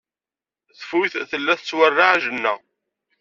Tfuyt tella ttwerreɛ ajenna.